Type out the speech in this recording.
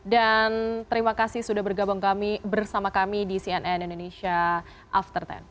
dan terima kasih sudah bergabung bersama kami di cnn indonesia after sepuluh